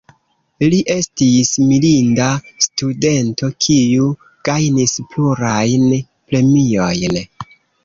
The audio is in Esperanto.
Li estis mirinda studento, kiu gajnis plurajn premiojn.